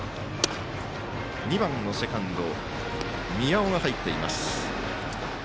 ２番のセカンド宮尾が入っています。